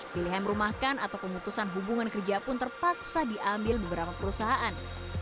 pilihan merumahkan atau pemutusan hubungan kerja pun terpaksa diambil beberapa perusahaan